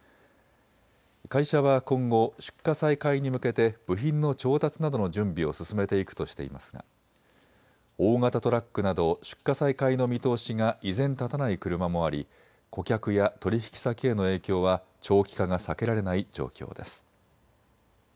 会社は今後、出荷再開に向けて部品の調達などの準備を進めていくとしていますが大型トラックなど出荷再開の見通しが依然、立たない車もあり顧客や取引先への影響は長期化が避けられない状況です。